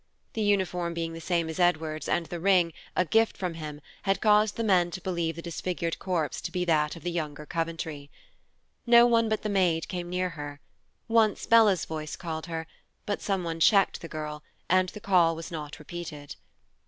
The uniform being the same as Edward's and the ring, a gift from him, had caused the men to believe the disfigured corpse to be that of the younger Coventry. No one but the maid came near her; once Bella's voice called her, but some one checked the girl, and the call was not repeated.